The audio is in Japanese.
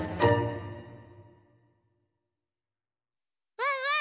ワンワン